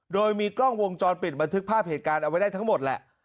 โดยมีกล้องวงจรปิดบันทึกภาพเหตุการณ์เอาไว้ได้ทั้งหมดแหละ